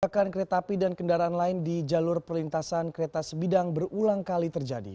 kecelakaan kereta api dan kendaraan lain di jalur perlintasan kereta sebidang berulang kali terjadi